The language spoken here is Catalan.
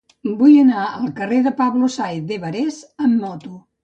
Vull anar al carrer de Pablo Sáenz de Barés amb moto.